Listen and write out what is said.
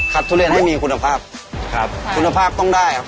คัดทุเรียนให้มีคุณภาพคุณภาพต้องได้